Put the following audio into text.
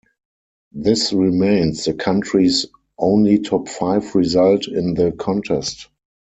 This remains the country's only top five result in the contest.